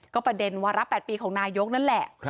ก็ประเด็นวาระ๘ปีของนายกรัฐมนตรีนั้นแหละ